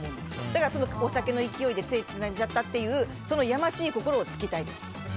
だからお酒の勢いでつい、つないじゃったっていうそのやましい心を突きたいです。